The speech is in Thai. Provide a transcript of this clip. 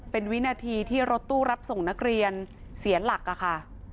เป็นวินาทีที่รถตู้รับส่งนักเรียนเสียหลักค่ะ